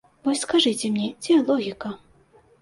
Вось скажыце мне, дзе логіка?